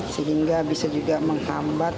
sehingga bisa juga mengkambat